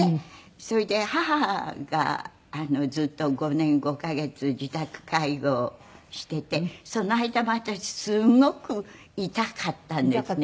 それで母がずっと５年５カ月自宅介護をしていてその間も私すごく痛かったんですね